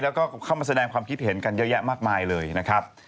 แล้วก็เข้ามาแสดงความคิดเห็นกันเยอะแยะมากมายเลยนะครับ